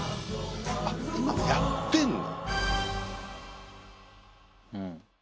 今やってるの？